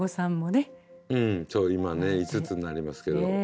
うんそう今ね５つになりますけど。